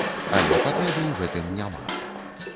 Але патрэбы ў гэтым няма.